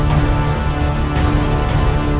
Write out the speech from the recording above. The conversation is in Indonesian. tidak ada apa apa